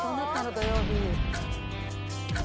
土曜日。